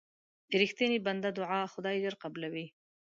د رښتیني بنده دعا خدای ژر قبلوي.